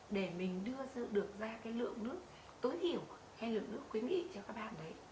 để mình đưa ra cái lượng nước tối hiểu hay lượng nước khuyến nghị cho các bạn đấy